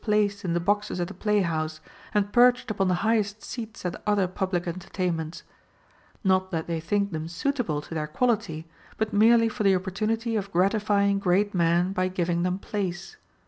122 HOW TO KNOW A FLATTERER placed in the boxes at the play house, and perched upon the highest seats at other public entertainments ; not that they think them suitable to their quality, but merely for the opportunity of gratifying great men by giving them place.